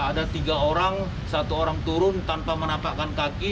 ada tiga orang satu orang turun tanpa menapakkan kaki